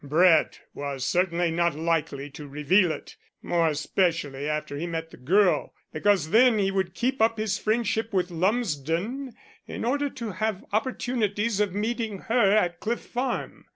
"Brett was certainly not likely to reveal it, more especially after he met the girl, because then he would keep up his friendship with Lumsden in order to have opportunities of meeting her at Cliff Farm.